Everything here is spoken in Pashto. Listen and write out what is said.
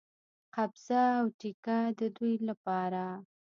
قبضه او ټیکه د دوی لپاره.